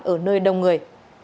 ở nơi đông người